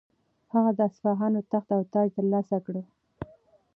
هغه د اصفهان تخت او تاج ترلاسه کړ.